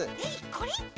これ？